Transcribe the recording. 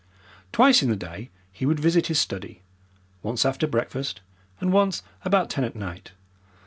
Twice in the day he would visit his study, once after breakfast, and once about ten at night.